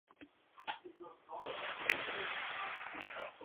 One soldier was killed and four were wounded.